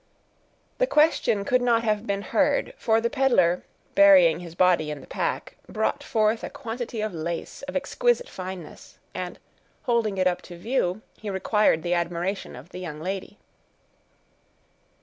The question could not have been heard; for the peddler, burying his body in the pack, brought forth a quantity of lace of exquisite fineness, and, holding it up to view, he required the admiration of the young lady.